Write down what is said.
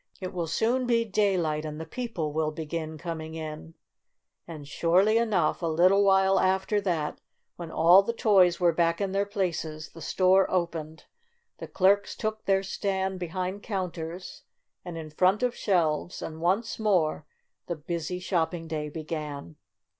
It will soon be daylight and the people will begin coming In." And, surely enough, a little while after that, when all the toys were back in their 45 IN AN AUTOMOBILE places, the store opened, the clerks took their stand behind counters and in front of shelves, and once more the busy shopping day began.